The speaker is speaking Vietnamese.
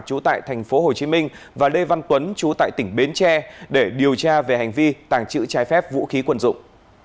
trú tại tp hcm và lê văn tuấn chú tại tỉnh bến tre để điều tra về hành vi tàng trữ trái phép vũ khí quần dụng